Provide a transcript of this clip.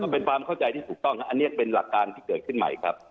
เป็นความเข้าใจที่ถูกต้องครับอันนี้เป็นหลักการที่เกิดขึ้นใหม่ครับ